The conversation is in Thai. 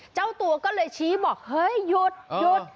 เจ้าตัวก็เลยชี้บอกเฮ้ยหยุดหยุด